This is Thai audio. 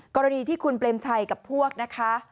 กรณีที่คุณเปรมชัยกับพวกนะคะ